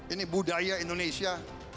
ini budaya indonesia